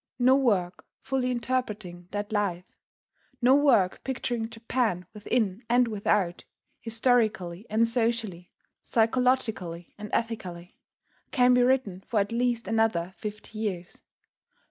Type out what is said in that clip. No work fully interpreting that life, no work picturing Japan within and without, historically and socially, psychologically and ethically, can be written for at least another fifty years.